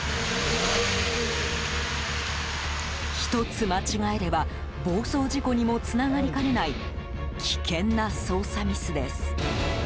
１つ間違えれば暴走事故にもつながりかねない危険な操作ミスです。